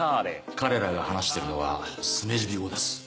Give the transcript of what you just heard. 彼らが話してるのはスネジビ語です。